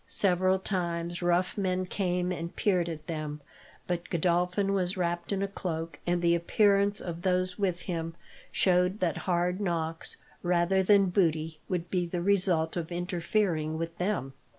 Several times rough men came and peered at them, but Godolphin was wrapped in a cloak, and the appearance of those with him showed that hard knocks, rather than booty, would be the result of interfering with them.